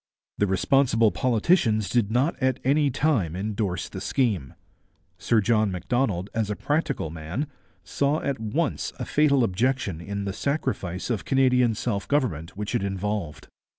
The responsible politicians did not at any time endorse the scheme. Sir John Macdonald, as a practical man, saw at once a fatal objection in the sacrifice of Canadian self government which it involved.